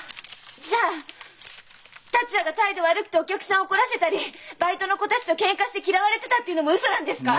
じゃあ達也が態度悪くてお客さんを怒らせたりバイトの子たちとケンカして嫌われてたっていうのもウソなんですか！？